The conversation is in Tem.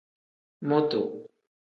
Mutu.